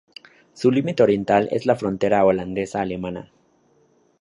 Su límite oriental es la frontera holandesa-alemana.